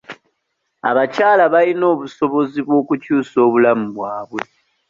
Abakyala balina obusobozi bw'okukyusa obulamu bwabwe.